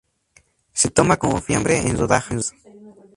Se toma como fiambre en rodajas.